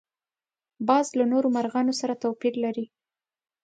باز له نورو مرغانو سره توپیر لري